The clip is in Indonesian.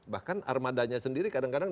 bahkan armadanya sendiri kadang kadang